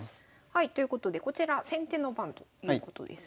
ということでこちら先手の番ということです。